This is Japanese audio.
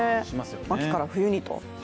秋から冬にと。